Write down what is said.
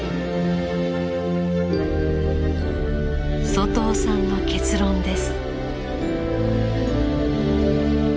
外尾さんの結論です。